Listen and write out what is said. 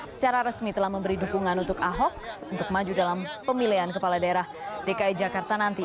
secara resmi telah memberi dukungan untuk ahok untuk maju dalam pemilihan kepala daerah dki jakarta nanti